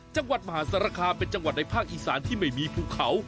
จังหวัดมหาสารคามเป็นจังหวัดในภาคอีสานที่ไม่มีภูเขา